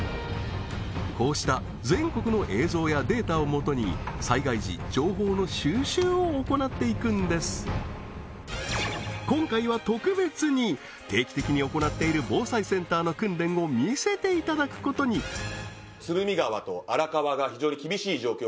こうした全国の映像やデータをもとに災害時情報の収集を行っていくんです今回は特別に定期的に行っている防災センターの訓練を見せていただくことにはい！